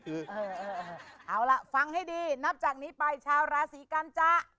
เอาล่ะฟังให้ดีนับจากนี้ไปชาวราศีกันจะ